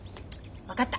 分かった。